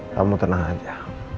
kamu tenang saja